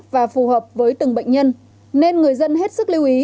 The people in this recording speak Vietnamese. và phù hợp với từng bệnh nhân nên người dân hết sức lưu ý